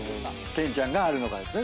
ケンちゃんがあるのかですね。